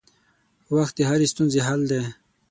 وخت د هرې ستونزې حل دی.